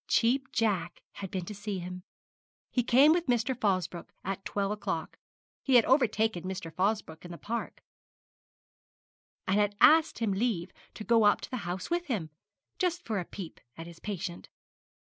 Cheap Jack had been to see him. He came with Mr. Fosbroke at twelve o'clock. He had overtaken Mr. Fosbroke in the park, and had asked leave to go up to the house with him, just for a peep at his patient.